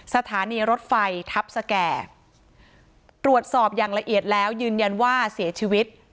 สถานีรถไฟทัพสแก่ตรวจสอบอย่างละเอียดแล้วยืนยันว่าเสียชีวิต